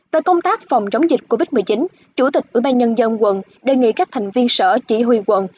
về công tác phòng chống dịch covid một mươi chín chủ tịch ủy ban nhân dân quận đề nghị các thành viên sở chỉ huy quận